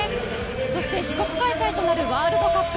そして自国開催となるワールドカップ。